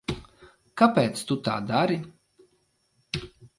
Kāpēc tu tā dari?